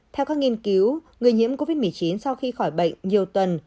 theo các nghiên cứu người nhiễm covid một mươi chín sau khi khỏi bệnh nhiều tuần